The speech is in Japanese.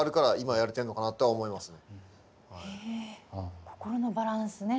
へえ心のバランスね。